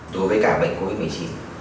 đối với cả bệnh covid một mươi chín